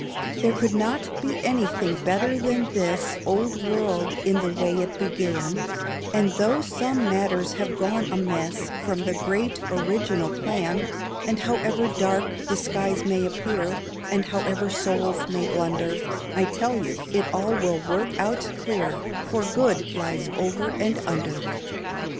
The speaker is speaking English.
There could not be anything better than this Old world in the way it began; And though some matters have gone amiss From the great original plan, And however dark the skies may appear, And however souls may blunder, I tell you it all will work out clear, For good lies over and under.